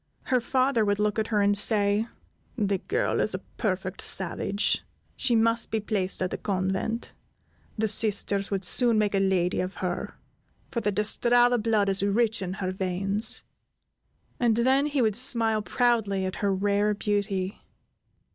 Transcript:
Her father would look at her, and say: "The girl is a perfect savage; she must be placed at a convent; the Sisters would soon make a lady of her, for the De Strada blood is rich in her veins;" and then he would smile proudly at her rare beauty.